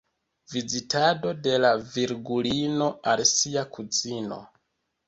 Vizitado de la Virgulino al sia kuzino.